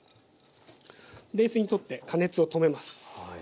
冷水にとって加熱を止めます。